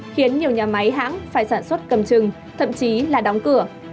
khiến nhiều nhà máy hãng phải sản xuất cầm chừng thậm chí là đóng cửa